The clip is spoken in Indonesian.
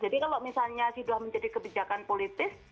jadi kalau misalnya sudah menjadi kebijakan politis